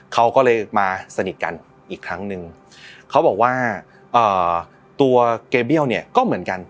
เขาก็เลยมาสนิทกันอีกครั้งนึงเขาบอกว่าตัวเกเบี้ยวเนี่ยก็เหมือนกัน